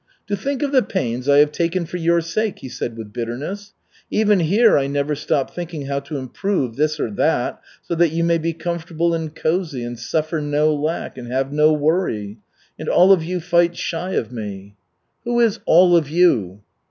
"To think of the pains I have taken for your sake!" he said, with bitterness. "Even here I never stop thinking how to improve this and that, so that you may be comfortable and cozy, and suffer no lack, and have no worry. And all of you fight shy of me." "Who is 'all of you'?"